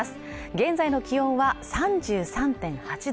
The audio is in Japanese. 現在の気温は３３．８度